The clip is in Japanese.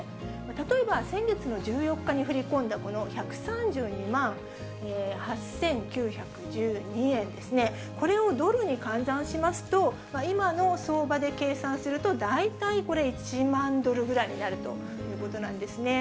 例えば、先月の１４日に振り込んだこの１３２万８９１２円ですね、これをドルに換算しますと、今の相場で計算すると、大体これ、１万ドルぐらいになるということなんですね。